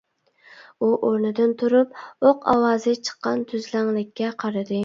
ئۇ ئورنىدىن تۇرۇپ ئوق ئاۋازى چىققان تۈزلەڭلىككە قارىدى.